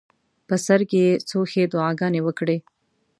په سر کې یې څو ښې دعاګانې وکړې.